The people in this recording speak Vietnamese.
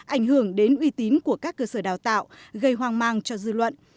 ảnh hưởng đến uy tín của các cơ sở đào tạo gây hoang mang cho dư luận